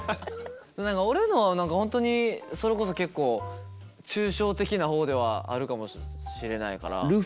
俺のは何か本当にそれこそ結構抽象的な方ではあるかもしれないから。